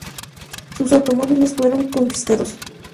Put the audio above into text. Sus automóviles fueron confiscados.